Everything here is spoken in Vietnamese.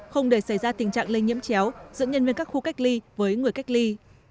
không để xảy ra tình trạng lây nhiễm chéo dẫn nhân viên các khu cách ly với người cách ly